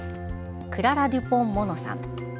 クララ・デュポン＝モノさん。